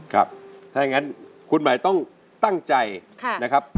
ถ้าอย่างนั้นคุณหมายต้องตั้งใจนะครับ